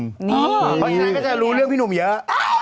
เพราะฉะนั้นก็จะรู้เรื่องพี่หนุ่มเยอะ